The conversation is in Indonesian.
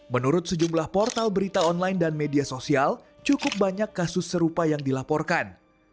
menurut sejumlah portal berita online dan media sosial cukup banyak kasus serupa yang dilaporkan